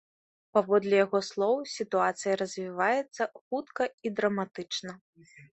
Паводле яго слоў, сітуацыя развіваецца хутка і драматычна.